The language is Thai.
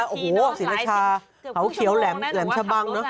โอ้โหศรีรชาเขาเขียวแหลมชะบังเนอะ